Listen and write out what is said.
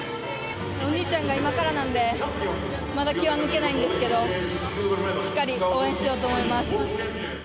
お兄ちゃんが今からなので、まだ気は抜けないんですけど、しっかり応援しようと思います。